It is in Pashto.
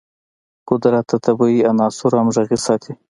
قدرت د طبیعي عناصرو همغږي ساتي.